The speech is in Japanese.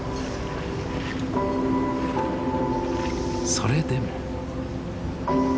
それでも。